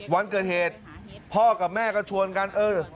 วันเกิดเหตุพ่อกับแม่ก็ชวนกันเออ